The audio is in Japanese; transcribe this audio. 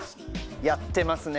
やってますね。